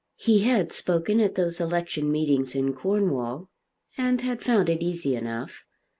He had spoken at those election meetings in Cornwall, and had found it easy enough.